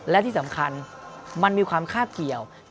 และที่สำคัญมันมีความคาบเกี่ยว